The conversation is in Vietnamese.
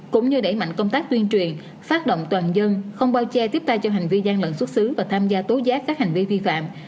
cũng như đẩy mạnh công tác tuyên truyền phát động toàn dân không bao che tiếp tay cho hành vi gian lận xuất xứ và tham gia tố giác các hành vi vi phạm